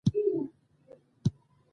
د زیباک خلک میلمه پال دي